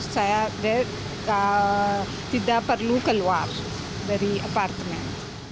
jadi saya tidak perlu keluar dari apartemen